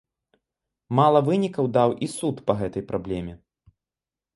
Мала вынікаў даў і суд па гэтай праблеме.